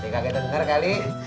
kakek denger kali